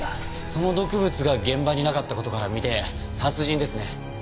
その毒物が現場になかった事からみて殺人ですね。